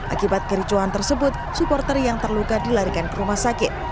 akibat kericuhan tersebut supporter yang terluka dilarikan ke rumah sakit